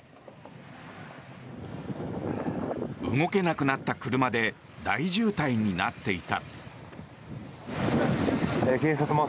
動けなくなった車で大渋滞になっていた。